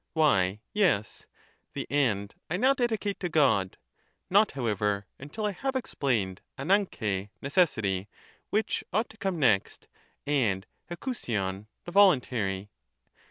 Why yes, the end I now dedicate to' God, not, how ever, until I have explained dvdynT] (necessity), which ought to come next, and eiiovaiov (the voluntary').